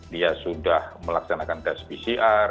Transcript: dia sudah melaksanakan tes pcr